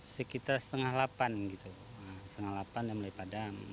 sekitar setengah delapan setengah delapan dan mulai padam